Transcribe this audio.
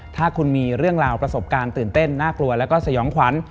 ถ้าคุณมีเรื่องราวประสบการณ์ตื่นเต้นน่ากลัวแล้วก็สยองขวัญ